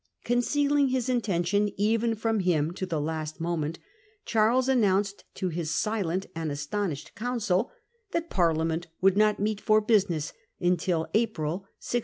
Con cealing his intention even from him to the last moment, Charles announced to his silent and astounded council that Parliament would not meet for business until April 1675.